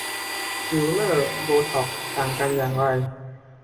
ฟิลเลอร์ โบท็อกซ์ ต่างกันอย่างไร